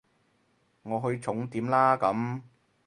我去重點啦咁